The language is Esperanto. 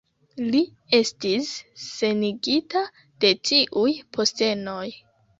Li estis senigita de tiuj postenoj.